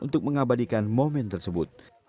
untuk mengabadikan momen tersebut